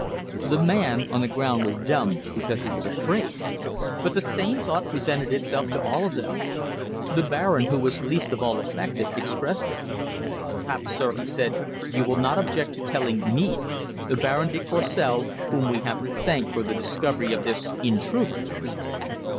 The man on the ground was dumb, because he was afraid. But the same thought presented itself to all of them. The Baron, who was least of all affected, expressed it. "Perhaps, sir," he said, "you will not object to telling me the Baron de Courcelles whom we have to thank for the discovery of this intruder!"